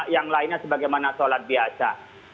yang lainnya sebagaimana sholat biasa